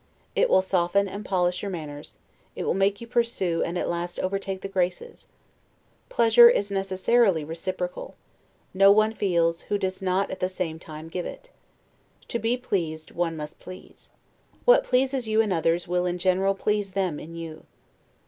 It will soften and polish your manners; it will make you pursue and at last overtake the GRACES. Pleasure is necessarily reciprocal; no one feels, who does not at the same time give it. To be pleased one must please. What pleases you in others, will in general please them in you.